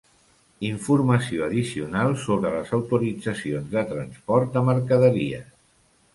Informació addicional sobre les autoritzacions de transport de mercaderies.